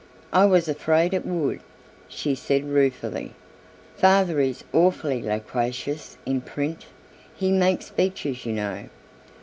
"I was afraid it would," she said ruefully; "father is awfully loquacious in print he makes speeches you know.